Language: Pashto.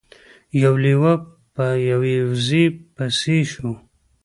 یو لیوه په یوې وزې پسې شو.